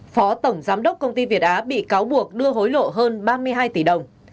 phó tổng giám đốc công ty việt á bị cáo buộc đưa hối lộ hơn ba mươi hai tỷ đồng